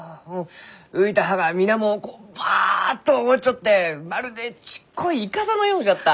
浮いた葉がみなもをこうバッと覆っちょってまるでちっこいいかだのようじゃった。